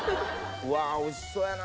うわおいしそうやな。